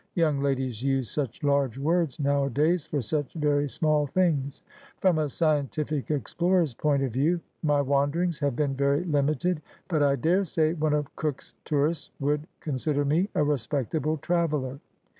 Young ladies use such large words nowadays for such very small things. From a scientific explorer's point of view, my wanderings have been very limited, but I daresay one of Cook's tourists would consider me a respectable traveller.